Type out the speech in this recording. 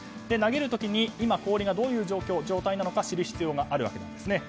投げる時に今、氷がどういう状態なのか知る必要があるわけです。